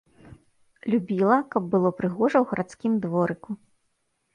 Любіла, каб было прыгожа ў гарадскім дворыку.